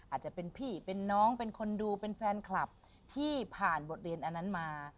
อาจจะเป็นพี่เป็นน้องเป็นคนดูเป็นแฟนคลับที่ผ่านบทเรียนอันนั้นมา